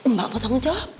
mbak mau tanggung jawab